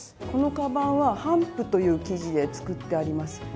このカバンは帆布という生地で作ってあります。